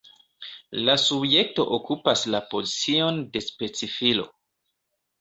La subjekto okupas la pozicion de specifilo.